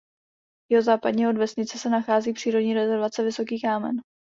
Jihozápadně od vesnice se nachází přírodní rezervace Vysoký kámen.